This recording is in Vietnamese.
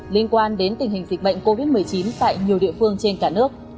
liên quan đến tình hình dịch bệnh covid một mươi chín tại nhiều địa phương trên cả nước